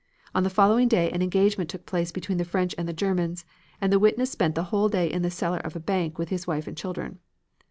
On the following day an engagement took place between the French and the Germans, and the witness spent the whole day in the cellar of a bank with his wife and children.